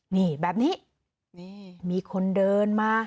นี่แบบนี้มีคนเดินมา